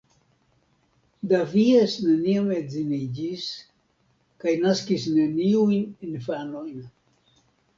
Davies neniam edziniĝis kaj naskis neniujn infanojn.